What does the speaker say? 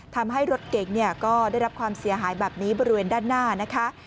ทำให้รถเก๋งก็ได้รับความเสียหายแบบนี้บริเวณด้านหน้านะคะ